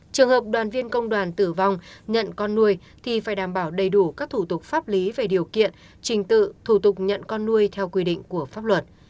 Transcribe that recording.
trường hợp đoàn viên công đoàn tử vong nhận con nuôi thì phải đảm bảo đầy đủ các thủ tục pháp lý về điều kiện trình tự thủ tục nhận con nuôi theo quy định của pháp luật